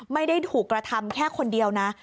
ไม่ได้ถูกกระทำแค่คนเดียวนะ